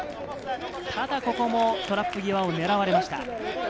ただここもトラップ際を狙われました。